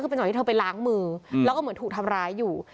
คือเป็นจังหวะที่เธอไปล้างมือแล้วก็เหมือนถูกทำร้ายอยู่